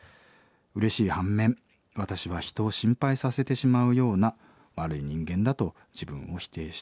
うれしい反面私は人を心配させてしまうような悪い人間だと自分を否定してしまいます。